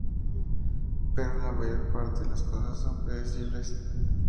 Pero en la mayor parte, las cosas son predecibles.